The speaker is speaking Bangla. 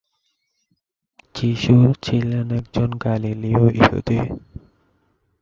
যীশু ছিলেন একজন গালীলীয় ইহুদি।